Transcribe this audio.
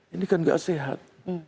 ini kan tidak sehat